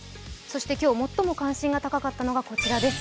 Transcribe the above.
そして今日、最も関心が高かったのがこちらです。